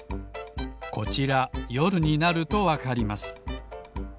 こちらよるになるとわかります。